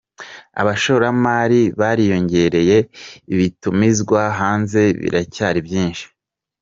Abashoramari bariyongereye, ibitumizwa hanze biracyari byinshi